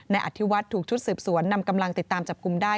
อธิวัฒน์ถูกชุดสืบสวนนำกำลังติดตามจับกลุ่มได้